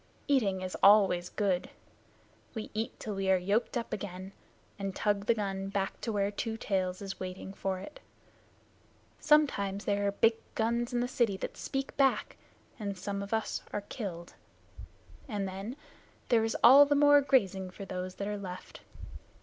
Eating is always good. We eat till we are yoked up again and tug the gun back to where Two Tails is waiting for it. Sometimes there are big guns in the city that speak back, and some of us are killed, and then there is all the more grazing for those that are left.